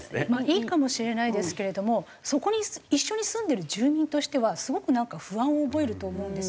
いいかもしれないですけれどもそこに一緒に住んでる住人としてはすごくなんか不安を覚えると思うんですよね。